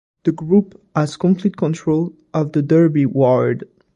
The group has complete control of the Derby ward.